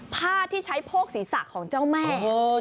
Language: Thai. ผ้าที่ใช้โพกศีรษะของเจ้าแม่